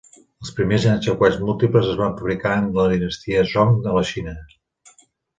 Els primers llançacoets múltiples es van fabricar en la dinastia Song de la Xina.